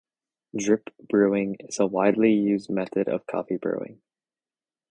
Drip brewing is a widely used method of coffee brewing.